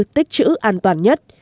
tích chữ an toàn nhất